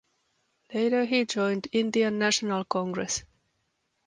Later he joined Indian National Congress.